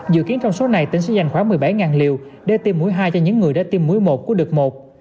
dự kiến trong số này tỉnh sẽ dành khoảng một mươi bảy liều để tiêm mũi hai cho những người đã tiêm mũi một của đợt một